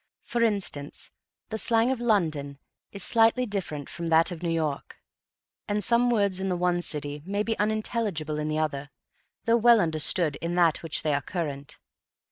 For instance, the slang of London is slightly different from that of New York, and some words in the one city may be unintelligible in the other, though well understood in that in which they are current.